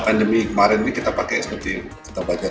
pandemi kemarin ini kita pakai seperti yang kita baca